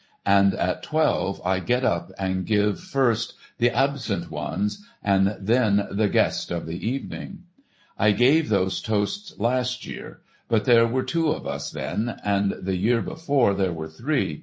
And at twelve I get up and give first 'The Absent Ones,' and then 'The Guest of the Evening.' I gave those toasts last year, but there were two of us, then, and the year before there were three.